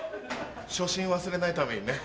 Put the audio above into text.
初心忘れないためにね。